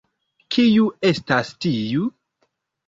Kiu estas tiu?